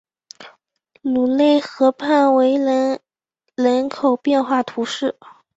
鲁勒河畔维雷人口变化图示